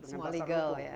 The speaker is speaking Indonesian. semua legal ya